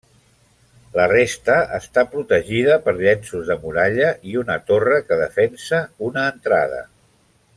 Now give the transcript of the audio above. La resta està protegida per llenços de muralla i una torre que defensa una entrada.